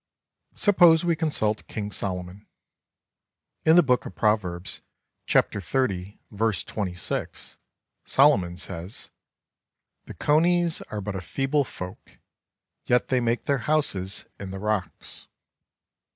Suppose we consult King Solomon. In the Book of Proverbs, Chapter XXX, verse 26, Solomon says: "The coneys are but a feeble folk, yet they make their houses in the rocks."